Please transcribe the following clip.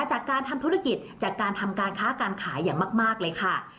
จากการทำธุรกิจจากการทำการค้าการขายอย่างมากเลยค่ะ